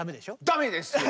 ダメですよ！